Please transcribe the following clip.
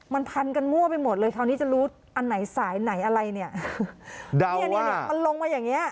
มันพันกันมั่วไปหมดเลยคราวนี้จะรู้อันไหนสายไหนอะไรเนี่ยเนี้ยเนี้ยมันลงมาอย่างเงี้